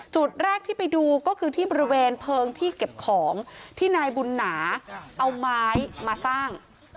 จุดแรกที่ไปดูก็คือที่บริเวณเพลิงที่เก็บของที่นายบุญหนาเอาไม้มาสร้าง